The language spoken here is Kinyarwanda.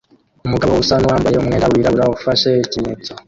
Umugabo usa nuwambaye umwenda wirabura ufashe ikimenyetso